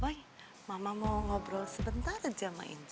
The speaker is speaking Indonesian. boy mama mau ngobrol sebentar aja sama angel